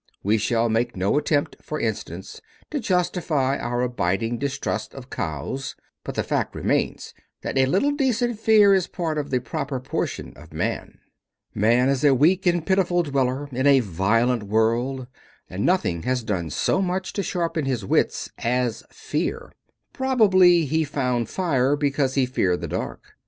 We shall make no attempt, for instance, to justify our abiding distrust of cows, but the fact remains that a little decent fear is part of the proper portion of man. Man is a weak and pitiful dweller in a violent world and nothing has done so much to sharpen his wits as fear. Probably he found fire because he feared the dark.